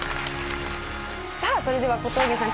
さあそれでは小峠さん